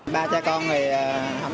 ba cha con này không có mì gõ